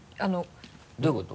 どういうこと？